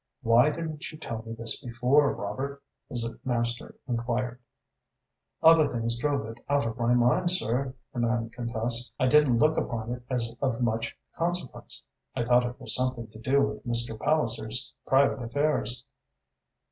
"Why didn't you tell me this before, Robert?" his master enquired. "Other things drove it out of my mind, sir," the man confessed. "I didn't look upon it as of much consequence. I thought it was something to do with Mr. Palliser's private affairs."